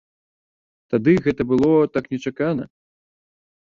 Тады гэта было так нечакана.